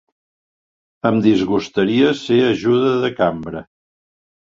Em disgustaria ser ajuda de cambra